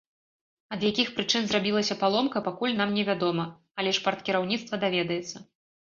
Ад якіх прычын зрабілася паломка, пакуль нам невядома, але ж парткіраўніцтва даведаецца.